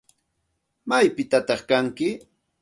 ¿Maypitataq kanki?